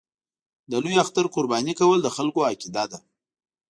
د لوی اختر قرباني کول د خلکو عقیده ده.